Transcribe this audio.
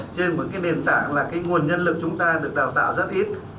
trên một nền tảng là nguồn nhân lực chúng ta được đào tạo rất ít